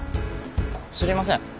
知りません。